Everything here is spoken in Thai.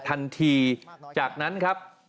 ทันทีจากนั้นครับ